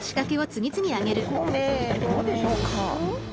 ５個目どうでしょうか？